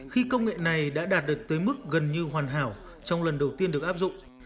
khi công nghệ này đã đạt được tới mức gần như hoàn hảo trong lần đầu tiên được áp dụng